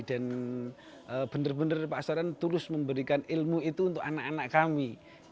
dan benar benar pak soiran tulus memberikan ilmu itu untuk anak anak kami